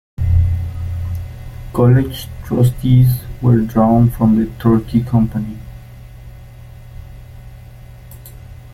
College trustees were drawn from the Turkey Company.